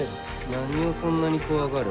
何をそんなに怖がる？